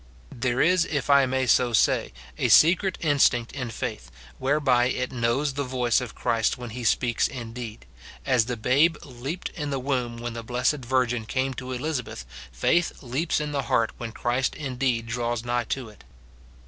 There is, if I may so say, a secret instinct in faith, whereby it knows the voice of Christ when he speaks indeed ; as the babe leaped in the womb when the blessed Virgin came to Elisabeth, faith leaps in the heart when Christ indeed draws nigh to it.